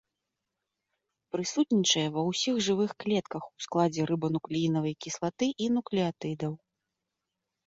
Прысутнічае ва ўсіх жывых клетках ў складзе рыбануклеінавай кіслаты і нуклеатыдаў.